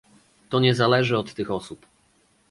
To nie zależy od tych osób